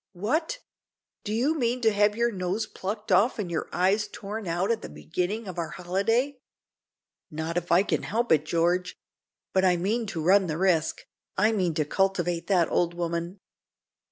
"What! do you mean to have your nose plucked off and your eyes torn out at the beginning of our holiday?" "Not if I can help it, George; but I mean to run the risk I mean to cultivate that old woman."